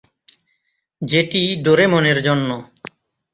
যেটি ডোরেমনের জন্য।